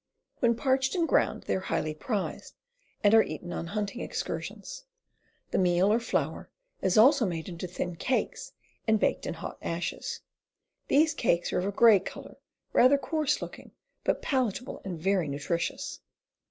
When parched and ground they are highly prized, and are eaten on hunting excursions. The meal or flour is also made into thin cakes and baked in hot ashes. These cakes are of a gray color, rather coarse looking, but palatable and very nutritious.